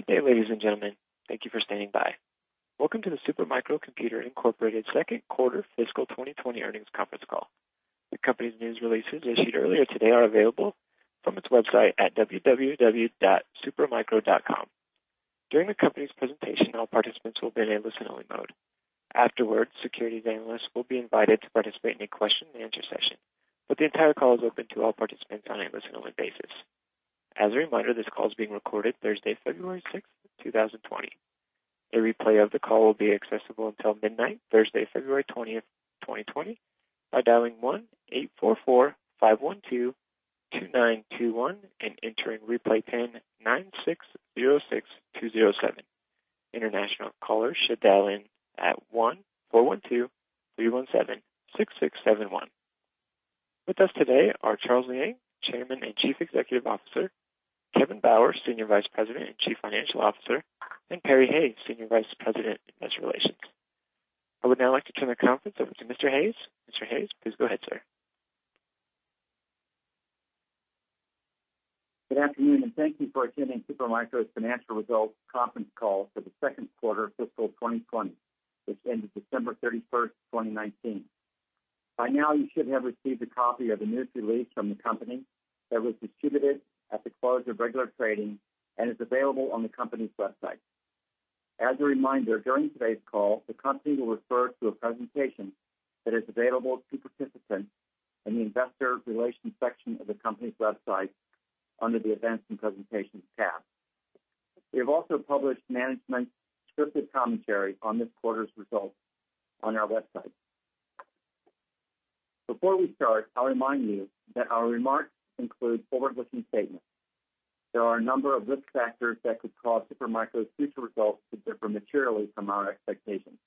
Good day, ladies and gentlemen. Thank you for standing by. Welcome to the Super Micro Computer Incorporated second quarter fiscal 2020 earnings conference call. The company's news releases issued earlier today are available from its website at www.supermicro.com. During the company's presentation, all participants will be in listen-only mode. Afterwards, securities analysts will be invited to participate in a question-and-answer session, but the entire call is open to all participants on a listen-only basis. As a reminder, this call is being recorded Thursday, February 6th, 2020. A replay of the call will be accessible until midnight, Thursday, February 20th, 2020 by dialing 1-844-512-2921 and entering replay pin 9606207. International callers should dial in at 1-412-317-6671. With us today are Charles Liang, Chairman and Chief Executive Officer, Kevin Bauer, Senior Vice President and Chief Financial Officer, and Perry Hayes, Senior Vice President, Investor Relations. I would now like to turn the conference over to Mr. Hayes. Mr. Hayes, please go ahead, sir. Good afternoon. Thank you for attending Supermicro's financial results conference call for the second quarter of fiscal 2020, which ended December 31st, 2019. By now, you should have received a copy of the news release from the company that was distributed at the close of regular trading and is available on the company's website. As a reminder, during today's call, the company will refer to a presentation that is available to participants in the investor relations section of the company's website under the events and presentations tab. We have also published management's scripted commentary on this quarter's results on our website. Before we start, I'll remind you that our remarks include forward-looking statements. There are a number of risk factors that could cause Supermicro's future results to differ materially from our expectations.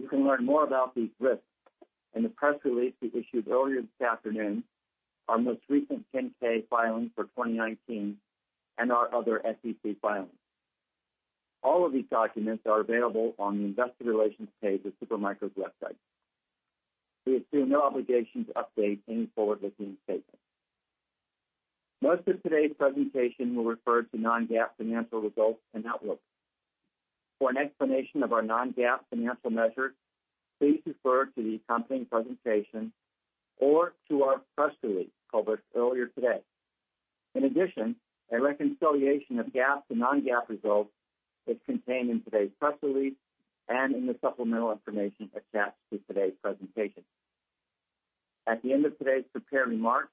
You can learn more about these risks in the press release we issued earlier this afternoon, our most recent 10-K filing for 2019, and our other SEC filings. All of these documents are available on the investor relations page of Supermicro's website. We assume no obligation to update any forward-looking statements. Most of today's presentation will refer to non-GAAP financial results and outlook. For an explanation of our non-GAAP financial measures, please refer to the accompanying presentation or to our press release covered earlier today. A reconciliation of GAAP to non-GAAP results is contained in today's press release and in the supplemental information attached to today's presentation. At the end of today's prepared remarks,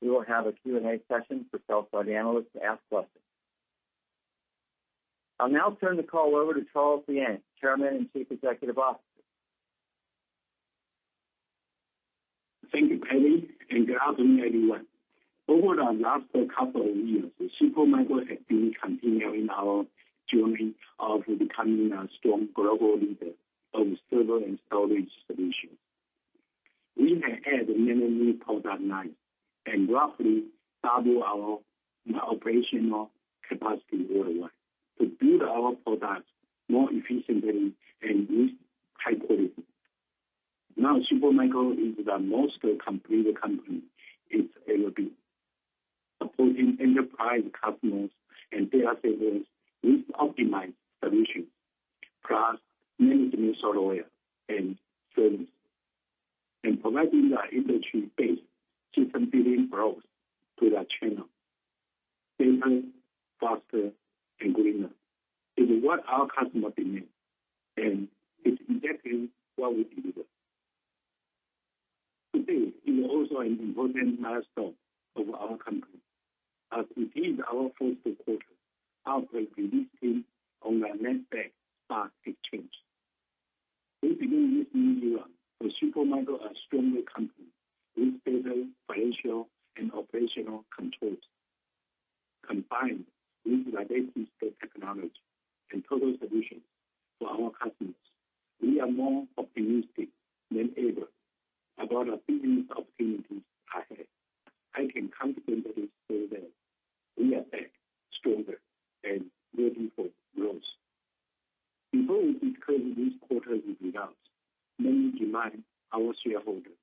we will have a Q&A session for sell-side analysts to ask questions. I'll now turn the call over to Charles Liang, Chairman and Chief Executive Officer. Thank you, Perry. Good afternoon, everyone. Over the last couple of years, Supermicro has been continuing our journey of becoming a strong global leader of server and storage solutions. We have added many new product lines and roughly doubled our operational capacity worldwide to build our products more efficiently and with high quality. Now, Supermicro is the most complete company it's ever been. Supporting enterprise customers and data centers with optimized solutions, plus management software and services, and providing the industry's best system building blocks to the channel. Simpler, faster, and greener. It is what our customers demand, and it's exactly what we deliver. Today is also an important milestone for our company as we give our first quarter earnings release on the Nasdaq stock exchange. We begin this new era with Supermicro, a stronger company with better financial and operational controls, combined with the latest technology and total solutions for our customers. We are more optimistic than ever about the business opportunities ahead. I can confidently say that we are back stronger and ready for growth. Before we discuss this quarter's results, let me remind our shareholders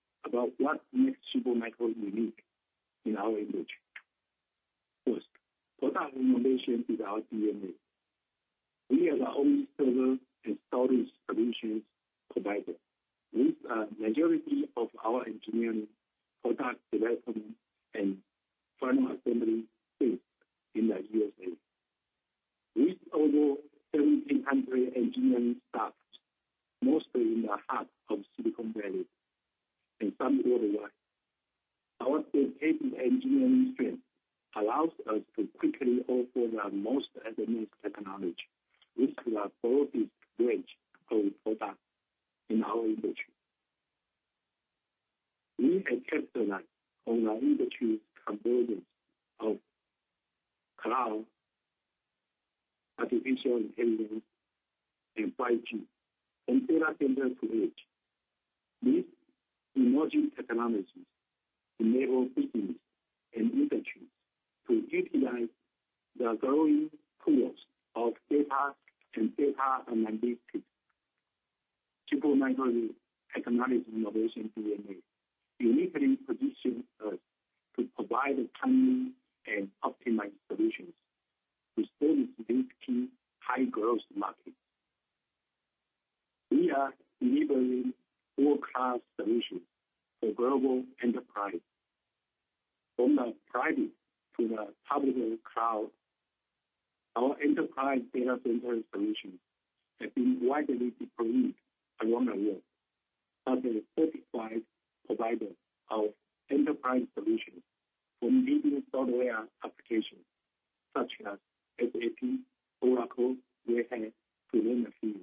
Oracle, Red Hat, to name a few.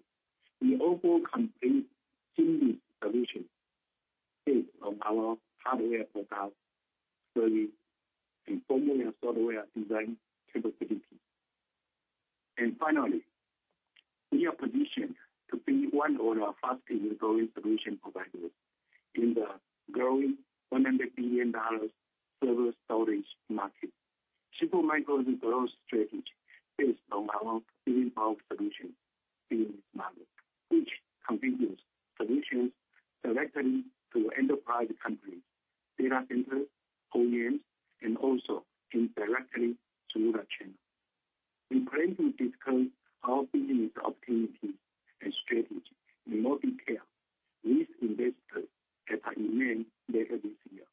We offer complete end solution based on our hardware profile, storage, and firmware software design capability. Finally, we are positioned to be one of the fastest-growing solution providers in the growing $100 billion server storage market. Supermicro's growth strategy is based on our involved solutions in this market, which contributes solutions directly to enterprise companies, data centers, OEMs, and also indirectly to the channel. We plan to discuss our business opportunities and strategy in more detail with investors at our event later this year.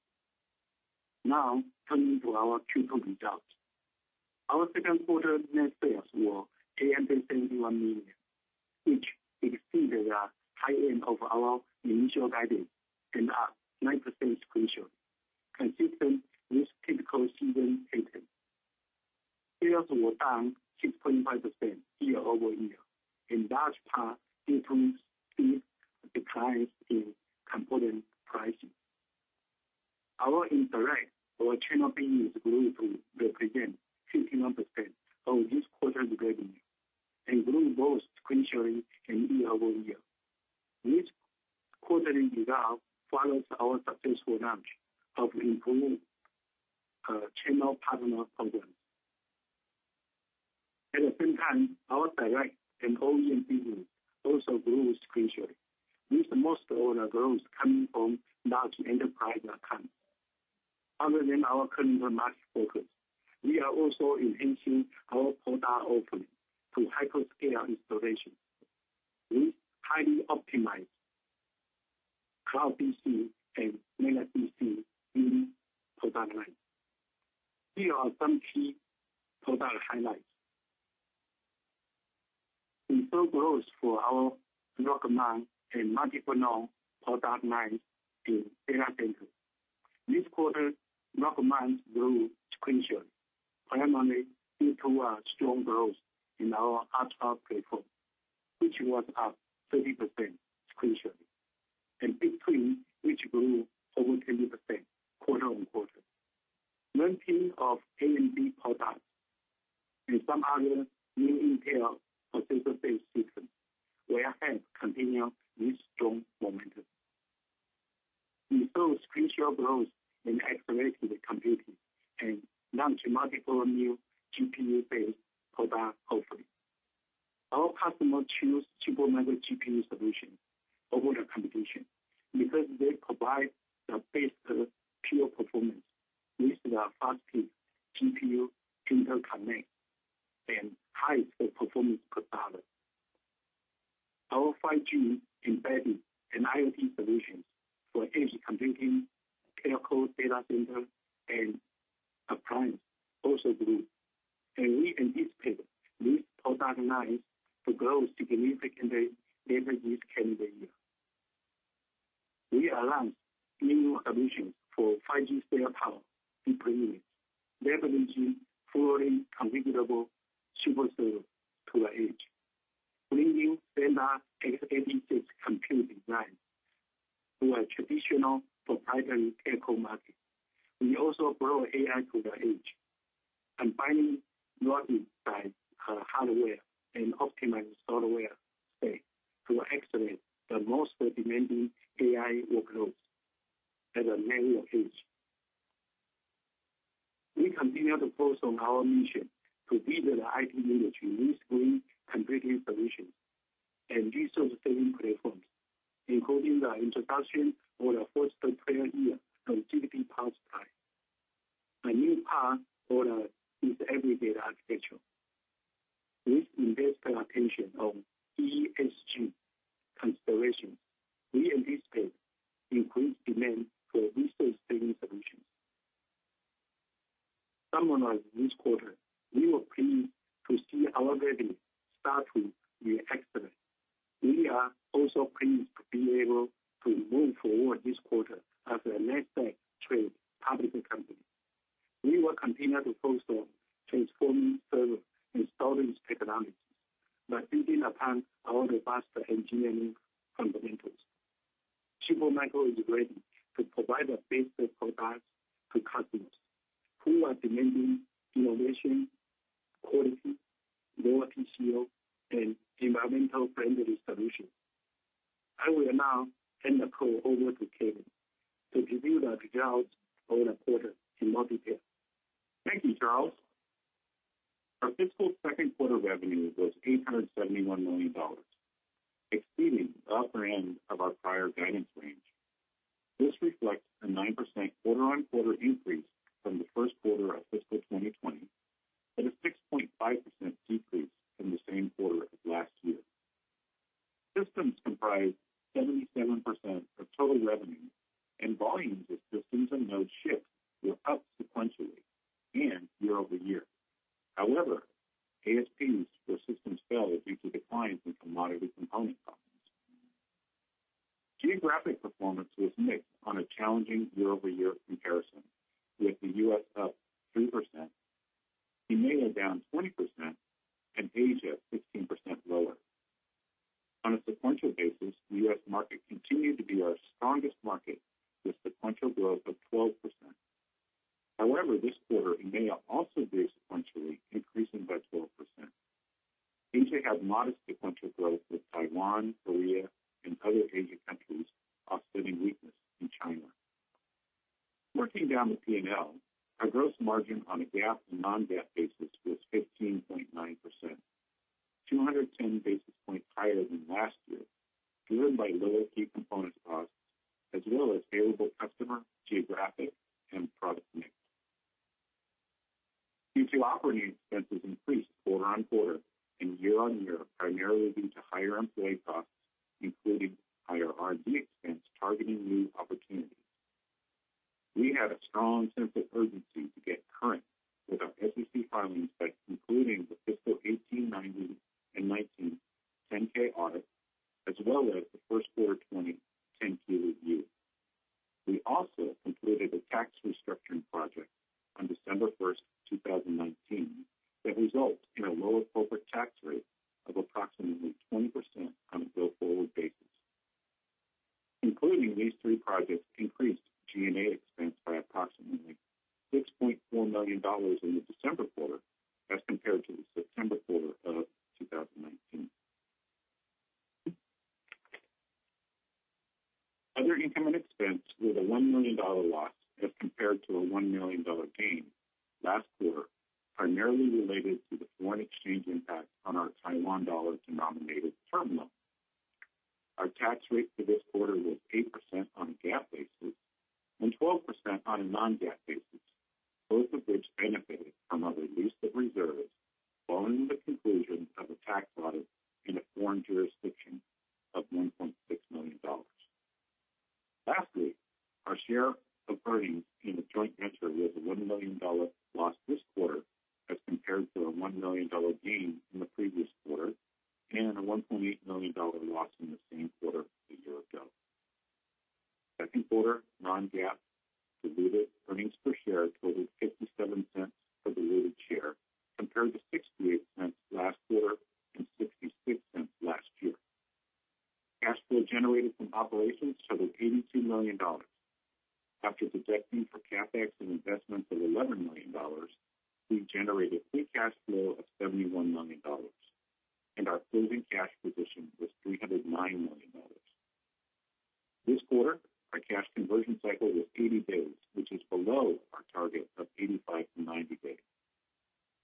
Now turning to our Q2 results. Our second quarter net sales were $871 million, which exceeded the high end of our initial guidance and up 9% sequentially, consistent with typical season pattern. Sales were down for resource-saving solutions. Summarizing this quarter, we were pleased to see our revenue start to re-accelerate. We are also pleased to be able to move forward this quarter as a Nasdaq-traded public company. We will continue to focus on transforming server and storage technologies by building upon our robust engineering fundamentals. Supermicro is ready to provide the best products to customers who are demanding innovation, quality, lower TCO, and environmental friendly solutions. I will now hand the call over to Kevin to review the results for the quarter in more detail. Thank you, Charles Our fiscal second quarter revenue was $871 million, exceeding the upper end of our prior guidance range. This reflects a 9% quarter-on-quarter increase generated from operations totaled $82 million. After deducting for CapEx and investments of $11 million, we generated free cash flow of $71 million, and our closing cash position was $309 million. This quarter, our cash conversion cycle was 80 days, which is below our target of 85-90 days.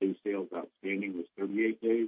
Days sales outstanding was 38 days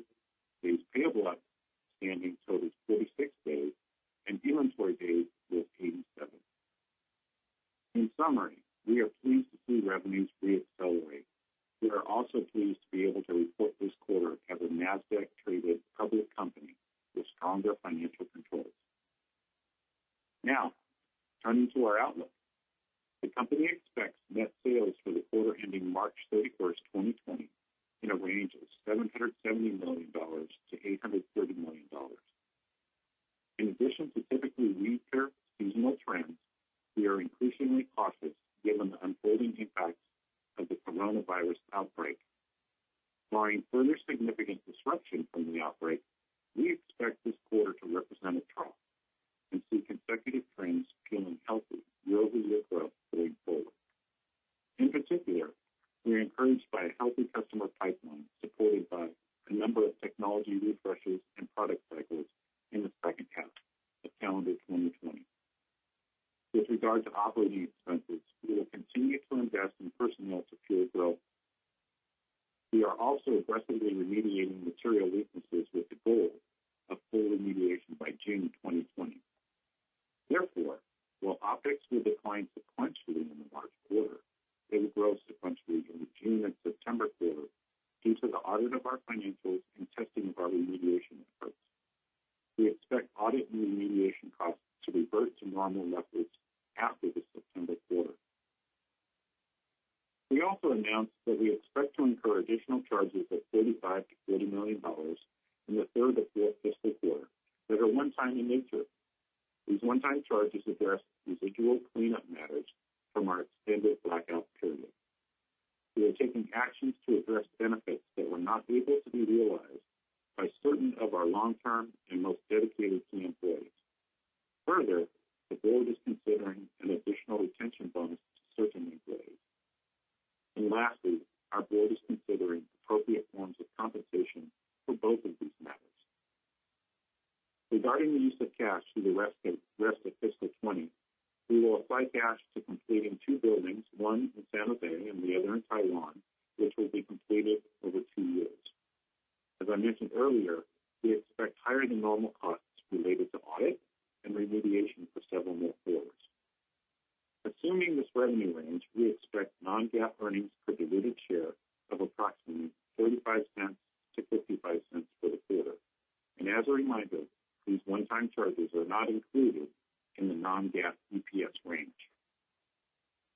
We expect audit and remediation costs to revert to normal levels after the September quarter. We also announced that we expect to incur additional charges of $35 million-$40 million in the third or fourth fiscal quarter that are one-time in nature. These one-time charges address residual cleanup matters from our extended blackout period. We are taking actions to address benefits that were not able to be realized by certain of our long-term and most dedicated key employees. The board is considering an additional retention bonus to certain employees. Lastly, our board is considering appropriate forms of compensation for both of these matters. Regarding the use of cash through the rest of fiscal 2020, we will apply cash to completing two buildings, one in San Jose and the other in Taiwan, which will be completed over two years. As I mentioned earlier, we expect higher than normal costs related to audit and remediation for several more quarters. Assuming this revenue range, we expect non-GAAP earnings per diluted share of approximately $0.35-$0.55 for the quarter. As a reminder, these one-time charges are not included in the non-GAAP EPS range.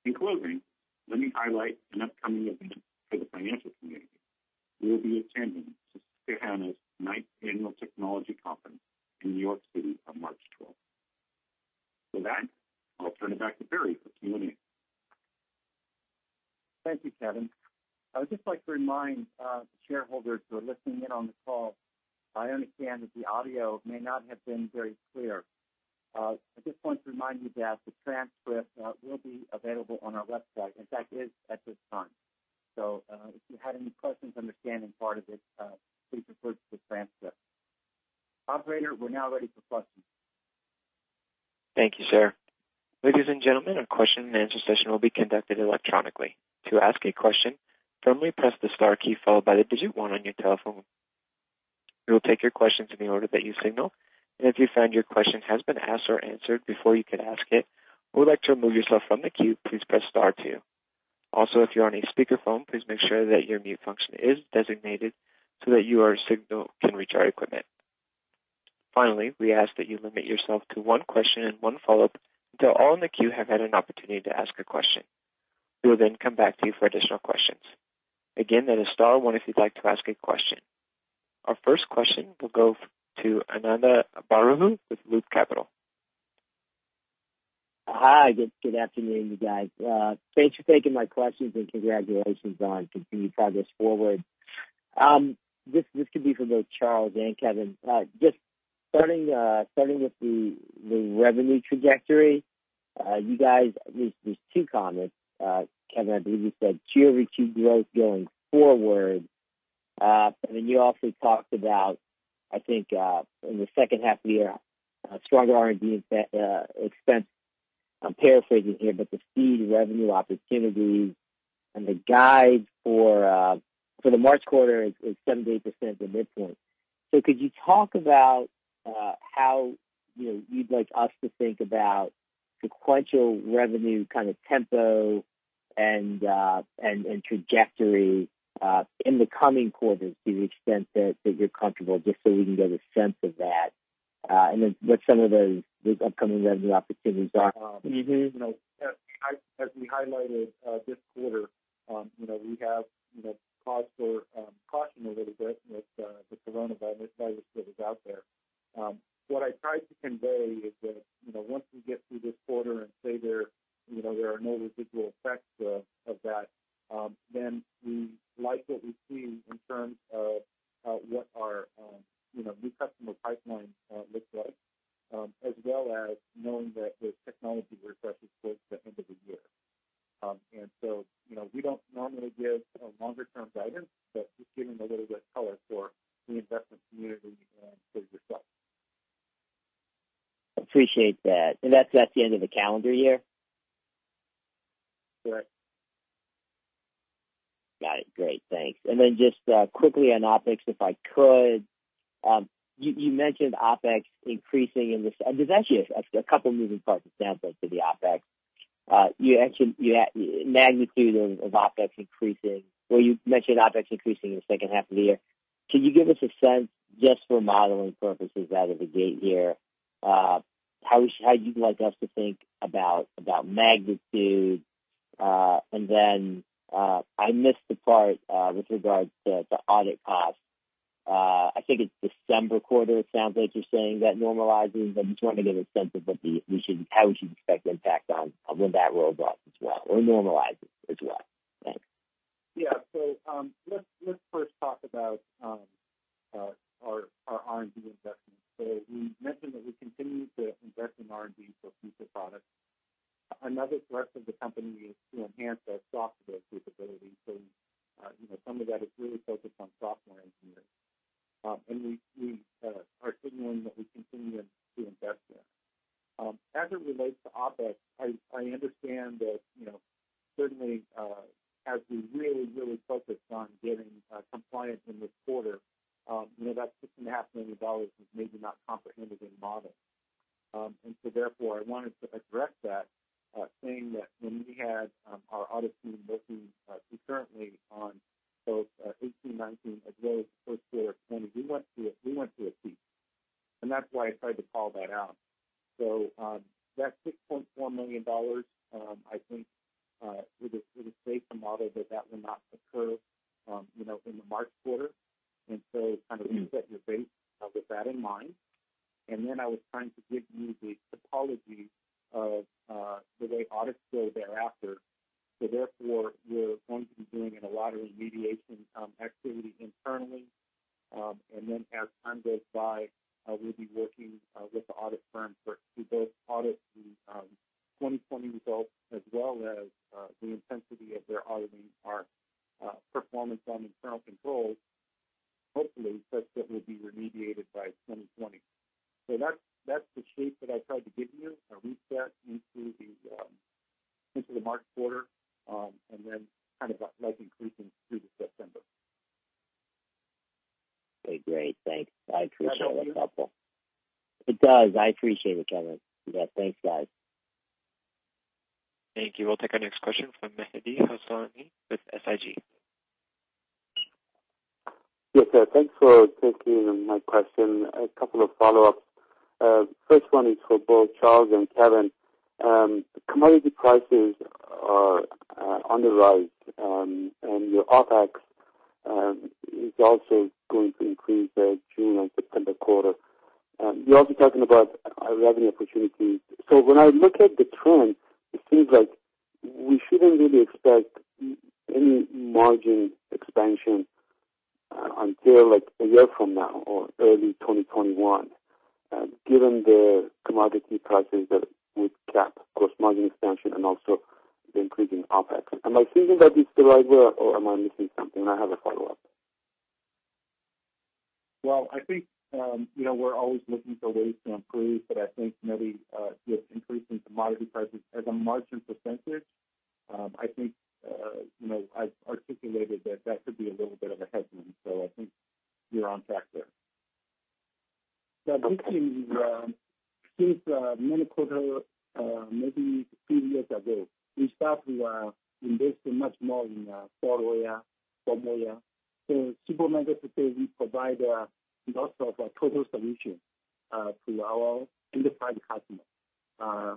In closing, let me highlight an upcoming event for the financial community. We will be attending Susquehanna's ninth annual technology conference in New York City on March 12th. With that, I'll turn it back to Perry for Q&A. Thank you, Kevin. I would just like to remind shareholders who are listening in on the call, I understand that the audio may not have been very clear. I just want to remind you that the transcript will be available on our website. In fact, it is at this time. If you had any questions understanding part of it, please refer to the transcript. Operator, we're now ready for questions. Thank you, sir. Ladies and gentlemen, a question-and-answer session will be conducted electronically. To ask a question, firmly press the star key followed by the digit one on your telephone. If you find your question has been asked or answered before you could ask it, or would like to remove yourself from the queue, please press star two. If you're on a speakerphone, please make sure that your mute function is designated so that your signal can reach our equipment. We ask that you limit yourself to one question and one follow-up until all in the queue have had an opportunity to ask a question. We will then come back to you for additional questions. Again, that is star one if you'd like to ask a question. Our first question will go to Ananda Baruah with Loop Capital. Hi, good afternoon, you guys. Thanks for taking my questions, and congratulations on continued progress forward. This could be for both Charles and Kevin. Just starting with the revenue trajectory, there's two comments. Kevin, I believe you said Q over Q growth going forward, and then you also talked about, I think, in the second half of the year, a stronger R&D expense. I'm paraphrasing here, the speed of revenue opportunities and the guide for the March quarter is 7%-8% at midpoint. Could you talk about how you'd like us to think about sequential revenue kind of tempo and trajectory in the coming quarters to the extent that you're comfortable, just so we can get a sense of that, and then what some of those upcoming revenue opportunities are? As we highlighted this quarter, we have cause for caution a little bit with the coronavirus that is out there. What I tried to convey is that, once we get through this quarter and say there are no residual effects of that, then we like what we see in terms of what our new customer pipeline looks like, as well as knowing that there's technology refreshes towards the end of the year. We don't normally give longer term guidance, but just giving a little bit of color for the investment community and for yourself. Appreciate that. That's the end of the calendar year? Correct. Got it. Great. Thanks. Then just quickly on OpEx, if I could. You mentioned OpEx increasing. There's actually a couple of moving parts, it sounds like, to the OpEx. You mentioned magnitude of OpEx increasing, or you mentioned OpEx increasing in the second half of the year. Can you give us a sense, just for modeling purposes out of the gate here, how you'd like us to think about magnitude? Then, I missed the part with regards to audit costs. I think it's December quarter, it sounds like you're saying, that normalizes. I just want to get a sense of how we should expect the impact on when that rolls off as well, or normalizes as well. Thanks. Let's first talk about our R&D investments. We mentioned that we continue to invest in R&D for future products. Another thrust of the company is to enhance our software capabilities. Some of that is really focused on software engineers. We are signaling that we continue to invest there. As it relates to OpEx, I understand that quarter. You're also talking about our revenue opportunities. When I look at the trend, it seems like we shouldn't really expect any margin expansion until like a year from now or early 2021, given the commodity prices that would cap gross margin expansion and also the increasing OpEx. Am I thinking that it's the right way, or am I missing something? I have a follow-up. Well, I think, we're always looking for ways to improve, but I think maybe with increasing commodity prices as a margin percentage, I think, I've articulated that could be a little bit of a headwind. I think you're on track there. This is since many quarter, maybe two years ago, we start to invest much more in firmware, so Super Micro Computer will provide lots of total solution to our enterprise customer.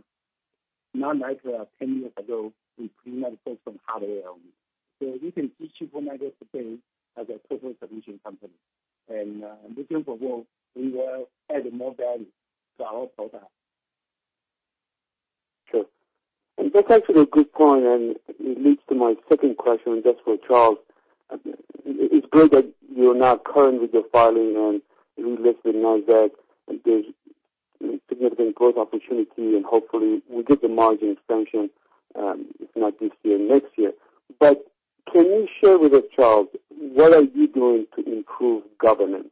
Not like 10 years ago, we pretty much focused on hardware only. We can see Super Micro Computer as a total solution company. This year for growth, we will add more value to our product. Sure. That's actually a good point, and it leads to my second question. That's for Charles. It's good that you're now currently filing and relisted Nasdaq, and there's significant growth opportunity, and hopefully we get the margin expansion, if not this year, next year. Can you share with us, Charles, what are you doing to improve governance?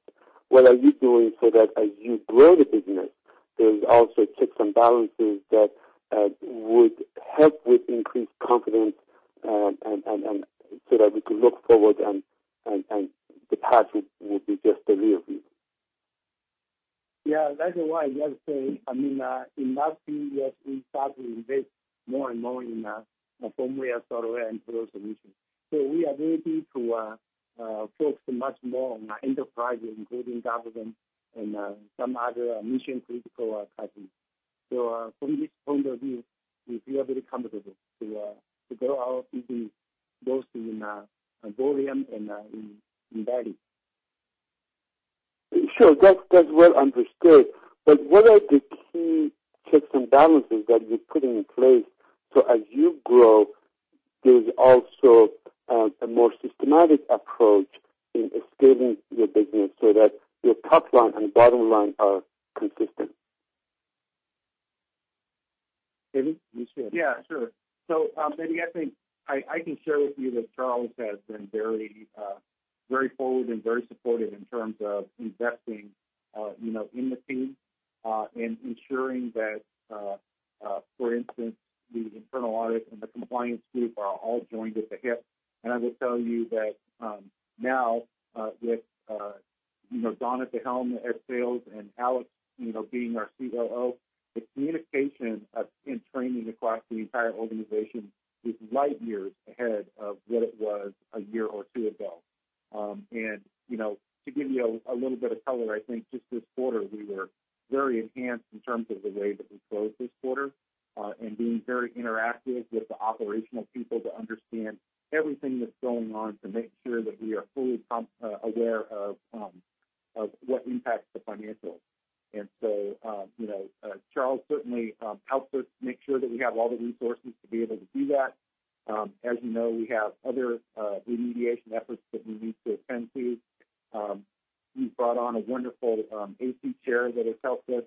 What are you doing so that as you grow the business, there's also checks and balances that would help with increased confidence, so that we could look forward and the path will be just a real view? Yeah. That is why we are saying, in that few years, we start to invest more and more in firmware, software, and total solution. We are ready to focus much more on enterprise, including government and some other mission-critical customers. From this point of view, we feel very comfortable to grow our business both in volume and in value. Sure. That's well understood. What are the key checks and balances that you're putting in place so as you grow, there's also a more systematic approach in scaling your business so that your top line and bottom line are consistent? Kevin, you share. Yeah, sure. Mehdi, I think I can share with you that Charles has been very forward and very supportive in terms of investing in the team, and ensuring that, for instance, the internal audit and the compliance group are all joined at the hip. I will tell you that, now, with Don at the helm as Sales and Alex being our COO, the communication and training across the entire organization is light years ahead of what it was a year or two ago. To give you a little bit of color, I think just this quarter, we were very enhanced in terms of the way that we closed this quarter, and being very interactive with the operational people to understand everything that's going on, to make sure that we are fully aware of what impacts the financials. Charles certainly helps us make sure that we have all the resources to be able to do that. As you know, we have other remediation efforts that we need to attend to. We've brought on a wonderful AC chair that has helped us,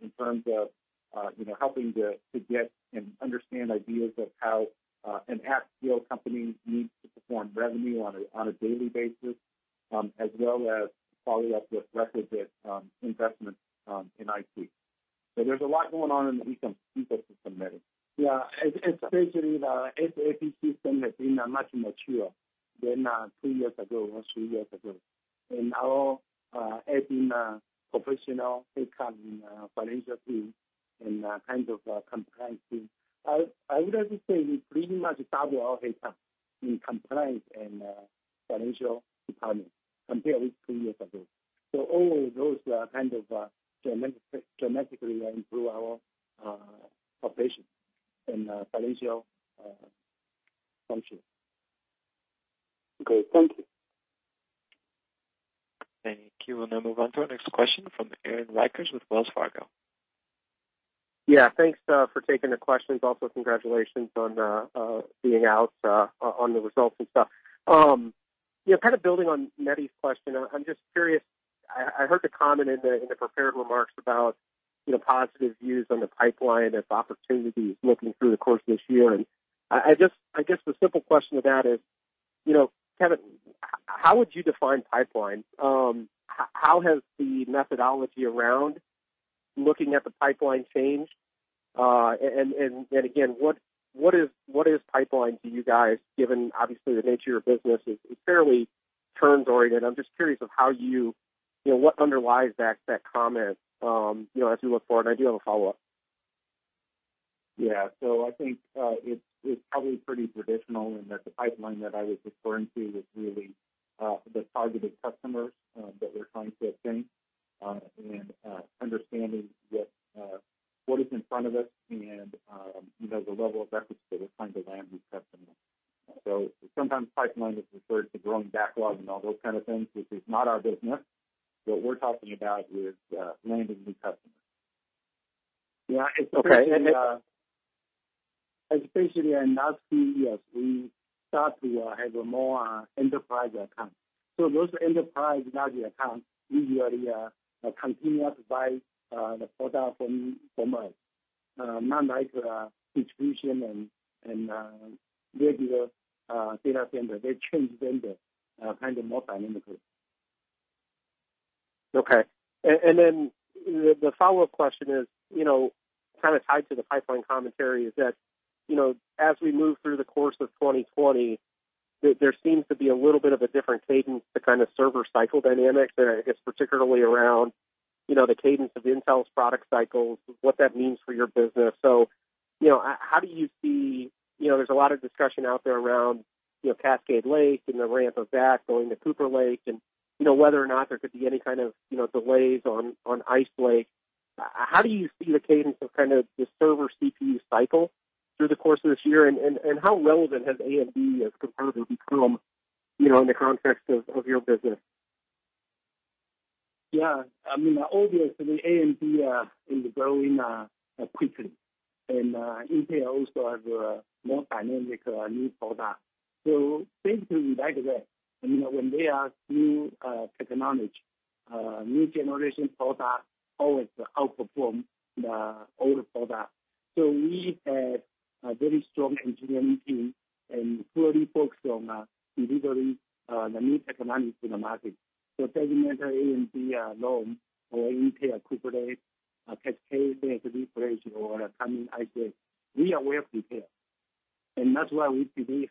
in terms of helping to get and understand ideas of how an [inaudible] company needs to perform revenue on a daily basis, as well as follow up with requisite investments in IT. There's a lot going on in the ecosystem, Mehdi. Yeah. Especially the SAP system has been much mature than two years ago or three years ago. Now adding professional headcount in financial team and kind of compliance team. I would like to say we pretty much double our headcount in compliance and financial department compared with two years ago. All those kind of dramatically improve our operation and financial function. Okay. Thank you. Thank you. We'll now move on to our next question from Aaron Rakers with Wells Fargo. Yeah. Thanks for taking the questions. Also, congratulations on being out on the results and stuff. Yeah. Kind of building on Mehdi's question. I am just curious, I heard the comment in the prepared remarks about positive views on the pipeline as opportunities looking through the course of this year, and I guess the simple question to that is, Kevin, how would you define pipeline? How has the methodology around looking at the pipeline changed? Again, what is pipeline to you guys, given obviously the nature of your business is fairly turns oriented. I am just curious of what underlies that comment as we look forward. I do have a follow-up. Yeah. I think it's probably pretty traditional in that the pipeline that I was referring to is really the targeted customers that we're trying to obtain, understanding what is in front of us and the level of effort that is trying to land new customers. Sometimes pipeline is referred to growing backlog and all those kind of things, which is not our business. What we're talking about is landing new customers. Okay. Yeah. Especially in last two years, we start to have a more enterprise account. Those enterprise value accounts usually continue to buy the product from us. Not like distribution and regular data center. They change vendor kind of more dynamically. Okay. The follow-up question is kind of tied to the pipeline commentary is that, as we move through the course of 2020, there seems to be a little bit of a different cadence to kind of server cycle dynamics, and I guess particularly around the cadence of Intel's product cycles and what that means for your business. There's a lot of discussion out there around Cascade Lake and the ramp of that going to Cooper Lake and whether or not there could be any kind of delays on Ice Lake. How do you see the cadence of kind of the server CPU cycle through the course of this year, and how relevant has AMD as competitor become in the context of your business? Obviously AMD is growing quickly. Intel also has a more dynamic new product. Things to like that. When there are new technology, new generation product always outperform the old product. We have a very strong engineering team and fully focused on delivering the new technology to the market. Doesn't matter AMD Rome or Intel Cooper Lake, Cascade Lake Refresh, or coming Ice Lake, we are well prepared. That's why we believe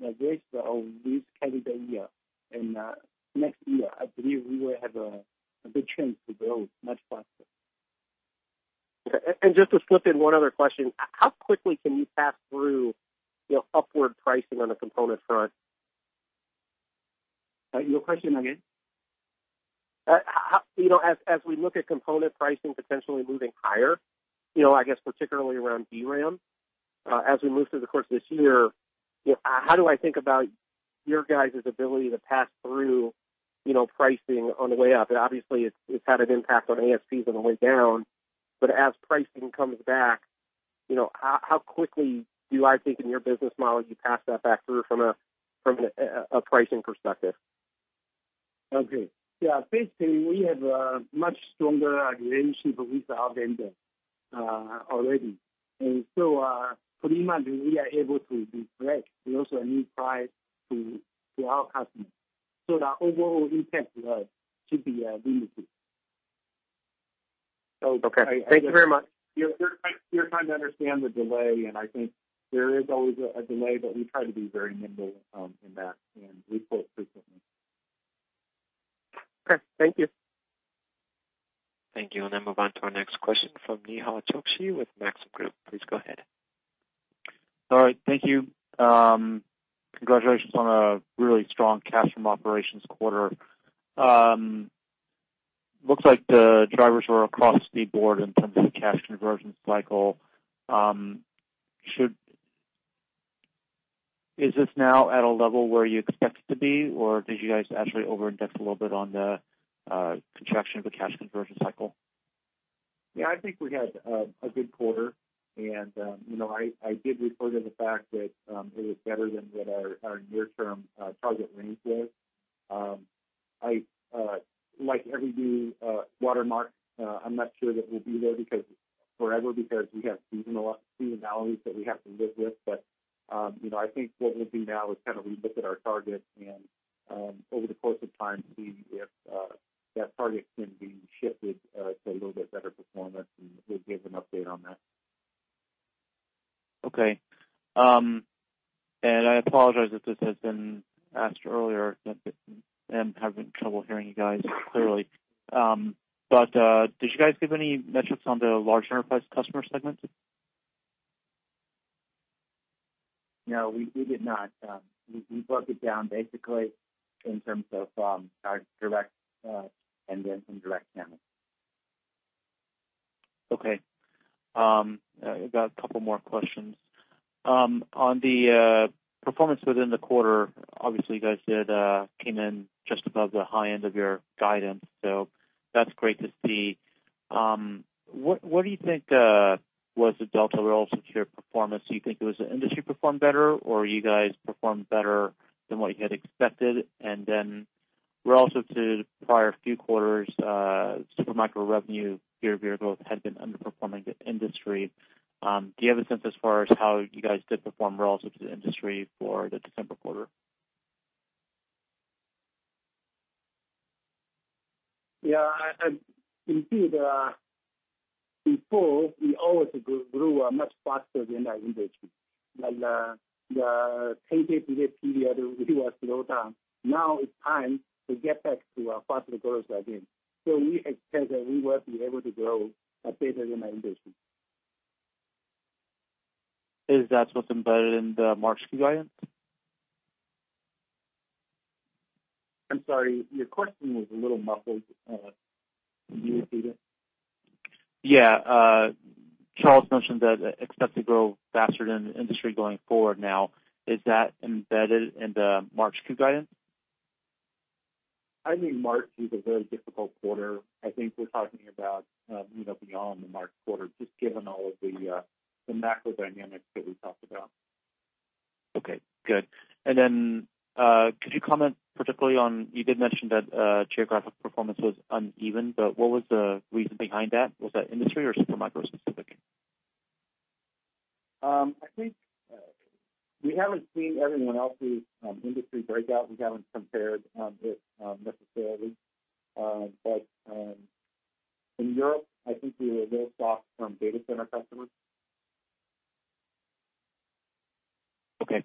the rest of this calendar year and next year, I believe we will have a good chance to grow much faster. Okay. Just to slip in one other question, how quickly can you pass through upward pricing on the component front? Your question again? As we look at component pricing potentially moving higher, I guess particularly around DRAM, as we move through the course of this year, how do I think about your guys' ability to pass through pricing on the way up? Obviously, it's had an impact on ASPs on the way down. As pricing comes back, how quickly do I think in your business model you pass that back through from a pricing perspective? Okay. Yeah. Basically, we have a much stronger relationship with our vendor already. Pretty much we are able to reflect also a new price to our customers. The overall impact should be limited. Okay. Thank you very much. We're trying to understand the delay, and I think there is always a delay, but we try to be very nimble in that, and we quote frequently. Okay. Thank you. Thank you. I'll now move on to our next question from Nehal Chokshi with Maxim Group. Please go ahead. All right. Thank you. Congratulations on a really strong cash from operations quarter. Looks like the drivers were across the board in terms of the cash conversion cycle. Is this now at a level where you expect it to be, or did you guys actually [inaudible] a little bit on the contraction of the cash conversion cycle? Yeah, I think we had a good quarter, and I did refer to the fact that it was better than what our near-term target range was. Like every new watermark, I'm not sure that we'll be there forever because we have seasonality that we have to live with. I think what we'll do now is kind of re-look at our targets and, over the course of time, see if that target can be shifted to a little bit better performance, and we'll give an update on that. Okay. I apologize if this has been asked earlier. I am having trouble hearing you guys clearly. Did you guys give any metrics on the large enterprise customer segment? No, we did not. We broke it down basically in terms of our direct and then indirect channels. I've got a couple more questions. On the performance within the quarter, obviously, you guys came in just above the high end of your guidance. That's great to see. What do you think was the delta relative to your performance? Do you think it was the industry performed better, or you guys performed better than what you had expected? Relative to the prior few quarters, Supermicro revenue year-over-year growth had been underperforming the industry. Do you have a sense as far as how you guys did perform relative to the industry for the December quarter? Yeah. Indeed, before, we always grew much faster than the industry. The 10-8-year period, we were slowed down. Now it's time to get back to our faster growth again. We expect that we will be able to grow better than the industry. Is that what's embedded in the March Q guidance? I'm sorry. Your question was a little muffled. Can you repeat it? Yeah. Charles mentioned that expect to grow faster than the industry going forward now, is that embedded in the March Q guidance? I think March was a very difficult quarter. I think we're talking about beyond the March quarter, just given all of the macro dynamics that we talked about. Okay, good. Then could you comment particularly on, you did mention that geographic performance was uneven, but what was the reason behind that? Was that industry or Supermicro specific? I think we haven't seen everyone else's industry breakout. We haven't compared it necessarily. In Europe, I think we were a little soft from data center customers. Okay.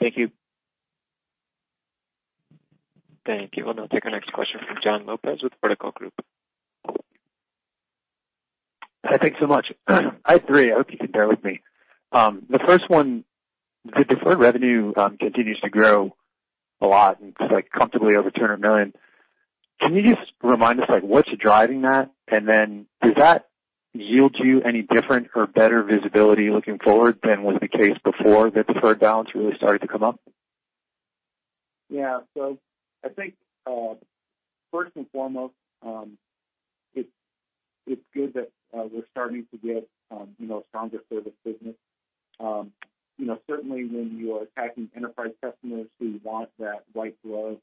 Thank you. Thank you. We'll now take our next question from John Lopez with Vertical Group. Hi, thanks so much. I have three. I hope you can bear with me. The first one, the deferred revenue continues to grow a lot and it's comfortably over $200 million. Can you just remind us, what's driving that? Then does that yield you any different or better visibility looking forward than was the case before the deferred balance really started to come up? I think, first and foremost, it's good that we're starting to get stronger service business. Certainly, when you're attacking enterprise customers who want that white glove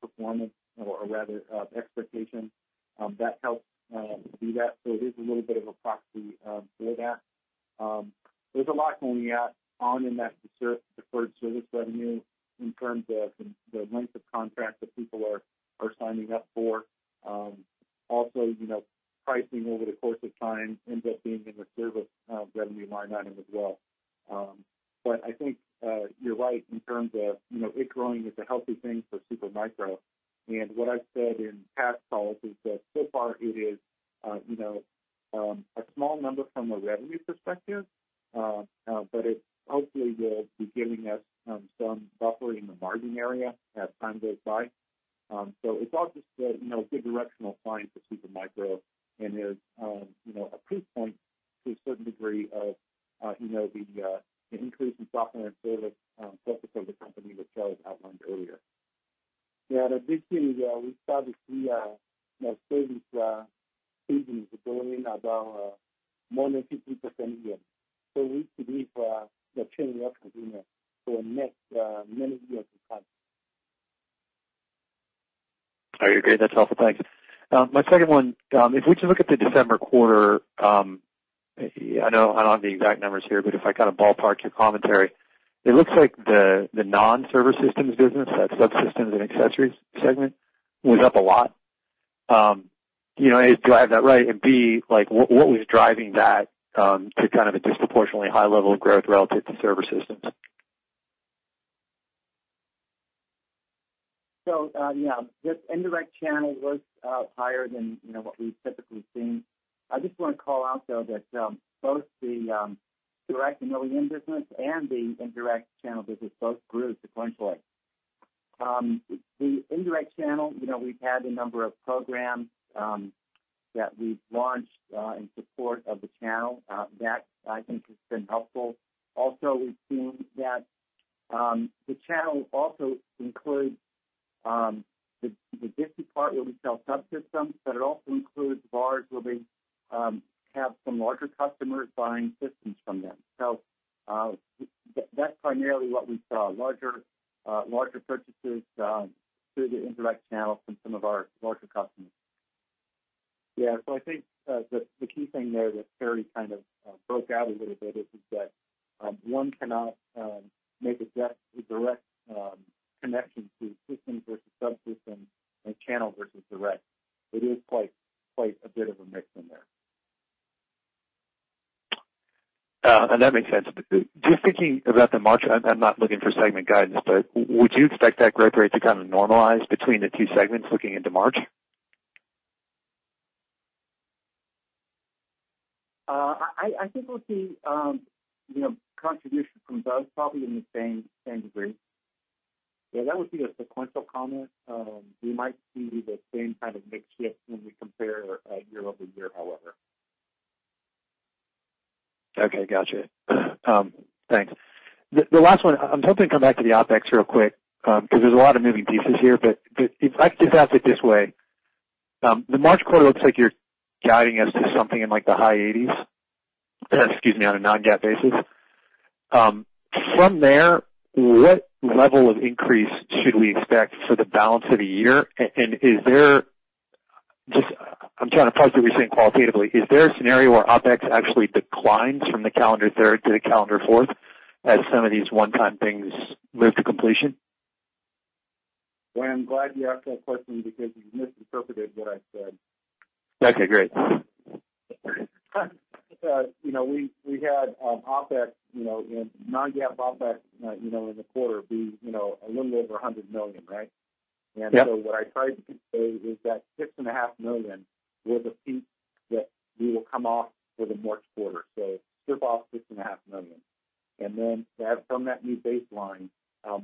performance or rather, expectation, that helps do that. It is a little bit of a proxy for that. There's a lot going on in that deferred service revenue in terms of the length of contracts that people are signing up for. Also, pricing over the course of time ends up being in the service revenue line item as well. I think, you're right in terms of it growing is a healthy thing for Supermicro. What I've said in past calls is that so far it is a small number from a revenue perspective, but it hopefully will be giving us some buffer in the margin area as time goes by. It's all just a good directional sign for Supermicro and is a proof point to a certain degree of the increase in software and service focus of the company that Charles outlined earlier. Yeah, additionally, we started to see service business growing about more than 50% a year. We believe the trend will continue for next many years to come. Okay, great. That's helpful. Thanks. My second one, if we just look at the December quarter, I know I don't have the exact numbers here, but if I kind of ballpark your commentary, it looks like the non-server systems business, that subsystems and accessories segment, was up a lot. A, do I have that right? B, what was driving that to kind of a disproportionately high level of growth relative to server systems? The indirect channel was higher than what we've typically seen. I just want to call out, though, that both the direct and OEM business and the indirect channel business both grew sequentially. The indirect channel, we've had a number of programs that we've launched in support of the channel. That, I think, has been helpful. Also, we've seen that the channel also includes the distributor part where we sell subsystems, but it also includes VARs where they have some larger customers buying systems from them. That's primarily what we saw, larger purchases through the indirect channel from some of our larger customers. Yeah. I think, the key thing there that Perry kind of broke out a little bit is that one cannot make a direct connection to systems versus subsystems and channel versus direct. It is quite a bit of a mix in there. That makes sense. Just thinking about the March, I am not looking for segment guidance, but would you expect that growth rate to kind of normalize between the two segments looking into March? I think we'll see contribution from both probably in the same degree. Yeah, that would be a sequential comment. We might see the same kind of mix shift when we compare year-over-year, however. Okay, gotcha. Thanks. The last one, I'm hoping to come back to the OpEx real quick, because there's a lot of moving pieces here. If I could just ask it this way. The March quarter looks like you're guiding us to something in the high 80s, excuse me, on a non-GAAP basis. From there, what level of increase should we expect for the balance of the year? I'm trying to parse what you're saying qualitatively. Is there a scenario where OpEx actually declines from the calendar third to the calendar fourth as some of these one-time things move to completion? Well, I'm glad you asked that question because you misinterpreted what I said. Okay, great. We had non-GAAP OpEx in the quarter be a little over $100 million, right? Yep. What I tried to say is that $6.5 million was a peak that we will come off for the March quarter. Strip off six and a half million. From that new baseline,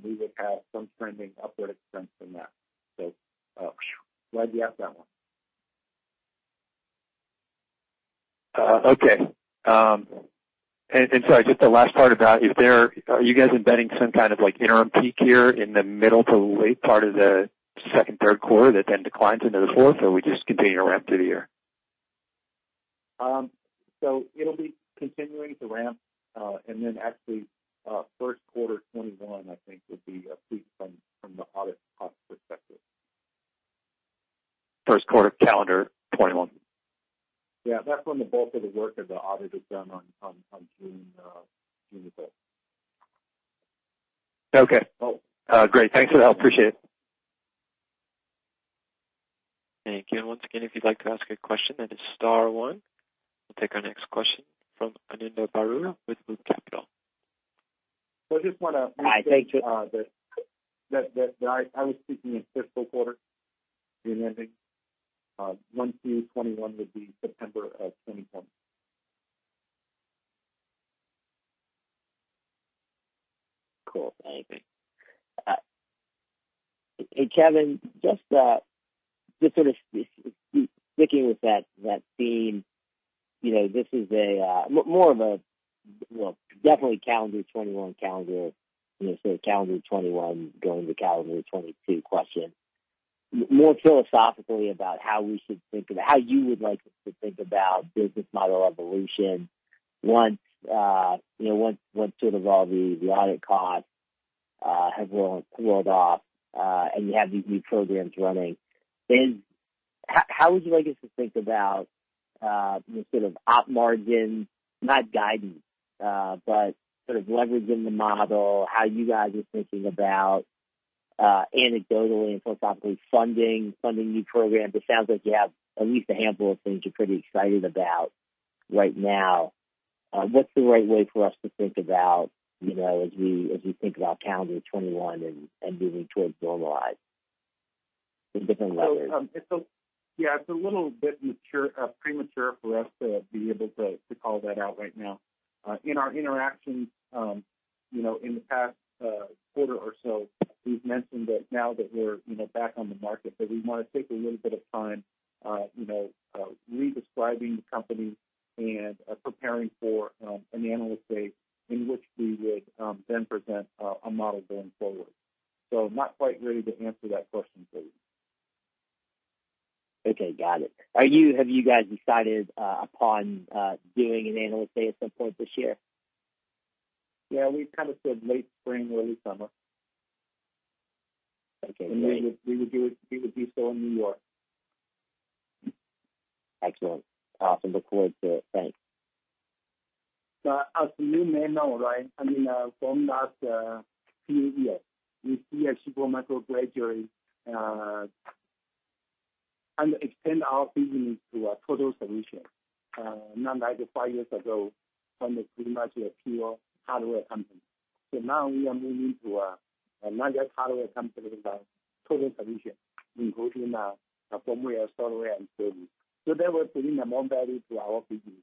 we would have some trending upward expense from that. Glad you asked that one. Okay. Sorry, just the last part about, are you guys embedding some kind of interim peak here in the middle to late part of the second, third quarter that then declines into the fourth? Or we just continue to ramp through the year? It'll be continuing to ramp. Actually, first quarter 2021, I think, will be a peak from the audit cost perspective. First quarter calendar 2021? Yeah, that's when the bulk of the work of the audit is done on June 5th. Okay. So. Great. Thanks for that. Appreciate it. Thank you. Once again, if you'd like to ask a question, that is star one. We'll take our next question from Ananda Baruah with Loop Capital. So I just want to- Hi. Thank you. That I was speaking in fiscal quarter year ending. one through 2021 would be September of 2021. Cool. Thank you. Hey, Kevin, just sort of sticking with that theme. This is more of a, well, definitely calendar 2021 going to calendar 2022 question: more philosophically about how you would like us to think about business model evolution once sort of all the audit costs have rolled off, and you have these new programs running, then how would you like us to think about the sort of op margin, not guidance, but sort of leveraging the model, how you guys are thinking about anecdotally and philosophically funding new programs? It sounds like you have at least a handful of things you're pretty excited about right now. What's the right way for us to think about as we think about calendar 2021 and moving towards normalized in different levers? It's a little bit premature for us to be able to call that out right now. In our interactions, in the past quarter or so, we've mentioned that now that we're back on the market, that we want to take a little bit of time, re-describing the company and preparing for an Analyst Day in which we would then present a model going forward. Not quite ready to answer that question for you. Okay, got it. Have you guys decided upon doing an Analyst Day at some point this year? Yeah, we've kind of said late spring, early summer. Okay, great. We would do so in New York. Excellent. Awesome. Look forward to it. Thanks. As you may know, right, I mean, from last few years, we see at Super Micro gradually and extend our business to a total solution. Not like five years ago, when it's pretty much a pure hardware company. Now we are moving to a not just hardware company, but total solution, including a firmware, software, and service. That will bring more value to our business.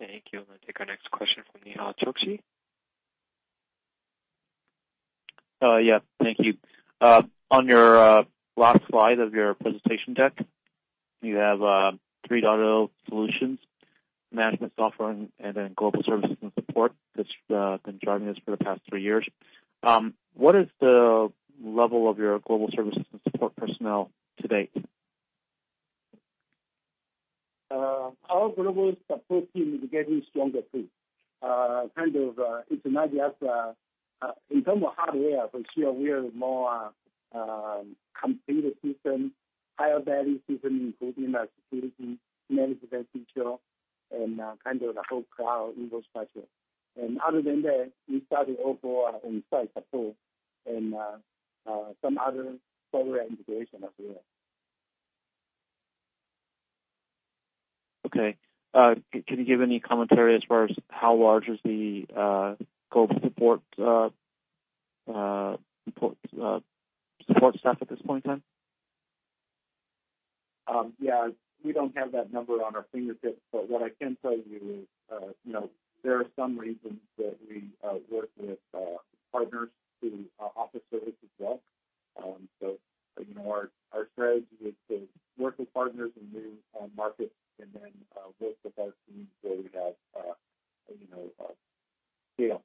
Thank you. I'm going to take our next question from Nehal Chokshi. Yeah. Thank you. On your last slide of your presentation deck, you have three data solutions, management software, and then global services and support that has been driving this for the past three years. What is the level of your global services and support personnel to date? Our global support team is getting stronger, too. Kind of, in terms of hardware, for sure we are more completed system, higher value system, including security, management feature, and kind of the whole cloud infrastructure. Other than that, we started offer on-site support and some other software integration as well. Okay. Can you give any commentary as far as how large is the global support staff at this point in time? Yeah. We don't have that number on our fingertips. What I can tell you is, there are some regions that we work with partners to offer service as well. Our strategy is to work with partners in new markets and then work with our teams where we have a scale,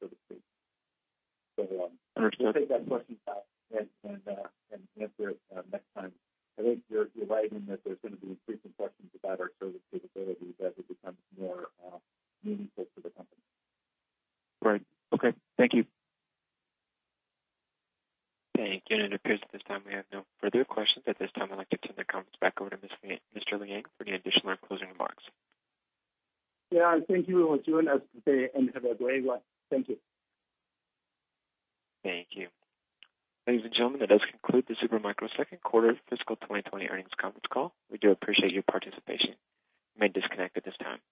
so to speak. Understood. We'll take that question back and answer it next time. I think you're right in that there's going to be increasing questions about our service capabilities as it becomes more meaningful to the company. Right. Okay. Thank you. Thank you. It appears at this time we have no further questions. At this time, I'd like to turn the comments back over to Mr. Liang for any additional closing remarks. Yeah. Thank you for joining us today and have a great one. Thank you. Thank you. Ladies and gentlemen, that does conclude the Supermicro second quarter fiscal 2020 earnings conference call. We do appreciate your participation. You may disconnect at this time.